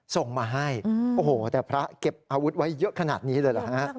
ส่งมาให้โอ้โหแต่พระเก็บอาวุธไว้เยอะขนาดนี้เลยเหรอฮะ